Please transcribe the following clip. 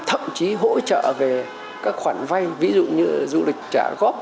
thậm chí hỗ trợ về các khoản vay ví dụ như du lịch trả góp